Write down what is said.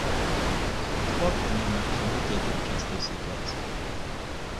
Sunt foarte nemulțumită de această situație.